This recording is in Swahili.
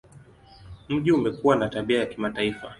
Mji umekuwa na tabia ya kimataifa.